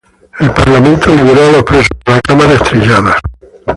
El parlamento liberó a los presos de la Cámara estrellada.